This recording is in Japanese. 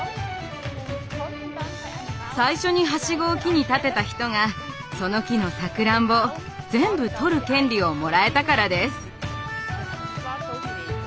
最初にハシゴを木に立てた人がその木のさくらんぼを全部とる権利をもらえたからです。